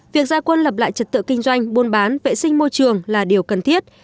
việc gia quân lập lại trật tự kinh doanh buôn bán vệ sinh môi trường là điều cần thiết